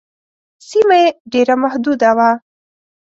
سیمه یې ډېره محدوده وه.